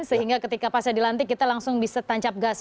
sehingga ketika pasnya dilantik kita langsung bisa tancap gas